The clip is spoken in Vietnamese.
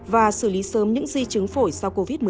và xử lý sớm những di chứng phổi sau covid một mươi chín